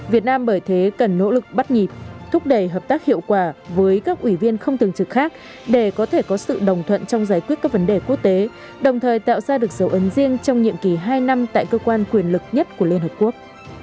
việt nam bởi thế cần nỗ lực bắt nhịp thúc đẩy hợp tác hiệu quả với các ủy viên không thường trực khác để có thể có sự đồng thuận trong giải quyết các vấn đề quốc tế đồng thời tạo ra được dấu ấn riêng trong nhiệm kỳ hai năm tại cơ quan quyền lực nhất của liên hợp quốc